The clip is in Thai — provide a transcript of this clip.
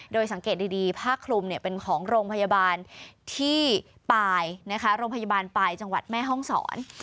โดยสังเกตดีผ้าคลุมเป็นของโรงพยาบาลที่ปลายโรงพยาบาลปลายจังหวัดแม่ห้องศร